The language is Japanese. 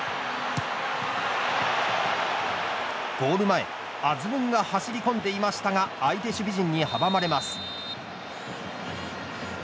ゴール前、アズムンが走り込んでいましたが相手守備陣に阻まれます。